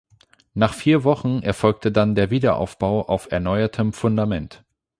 Nach vier Wochen erfolgte dann der Wiederaufbau auf erneuertem Fundament.